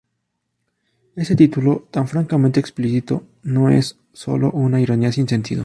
Ese título tan francamente explícito no es sólo una ironía sin sentido.